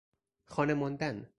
خانه ماندن